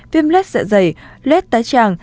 viêm lết dạ dày lết tá tràng